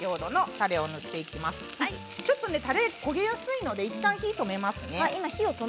たれはちょっと焦げやすいのでいったん火を止めますね。